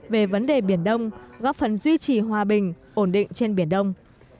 về vấn đề biển đông góp phần duy trì hòa bình ổn định trên biển đông